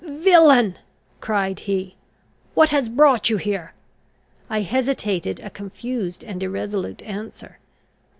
"Villain!" cried he, "what has brought you here?" I hesitated a confused and irresolute answer.